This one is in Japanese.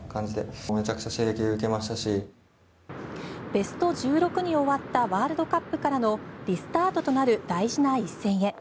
ベスト１６に終わったワールドカップからのリスタートとなる大事な一戦へ。